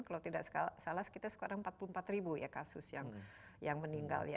kalau tidak salah sekitar sekitar empat puluh empat ribu kasus yang meninggal